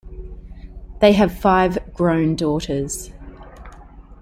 They have five grown daughters.